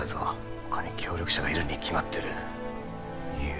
他に協力者がいるにきまってる言え！